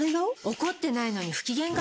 怒ってないのに不機嫌顔？